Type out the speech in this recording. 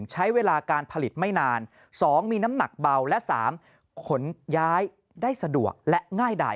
ใช้เวลาการผลิตไม่นาน๒มีน้ำหนักเบาและ๓ขนย้ายได้สะดวกและง่ายดาย